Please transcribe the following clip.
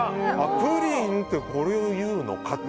プリンってこれを言うのかって。